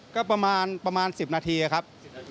ก็ประมาณ๑๐นาทีครับ